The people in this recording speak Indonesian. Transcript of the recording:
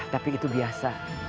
tapi itu biasa